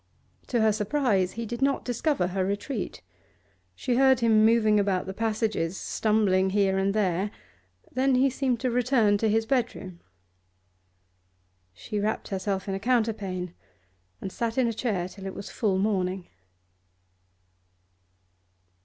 To her surprise he did not discover her retreat; she heard him moving about the passages, stumbling here and there, then he seemed to return to his bedroom. She wrapped herself in a counterpane, and sat in a chair till it was full morning.